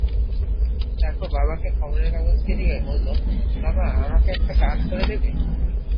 তারপর বাবাকে খবরের কাগজটি দিয়ে বলল, বাবা, আমাকে একটা কাজ করে দেবে?